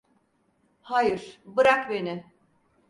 Hayır, bırak beni!